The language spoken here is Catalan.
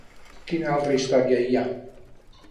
Quina altra història hi ha?